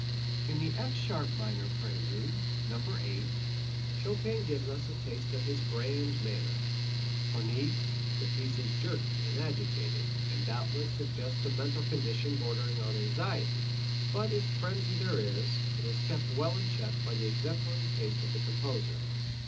In the F sharp minor prelude No. 7, Chopin gives us a taste of his grand manner. For Niecks the piece is jerky and agitated, and doubtless suggests a mental condition bordering on anxiety; but if frenzy there is, it is kept well in check by the exemplary taste of the composer.